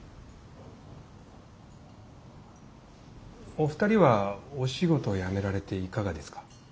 お二人はお仕事辞められていかがですか？